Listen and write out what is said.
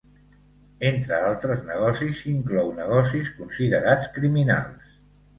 Entre altres negocis inclou negocis considerats criminals.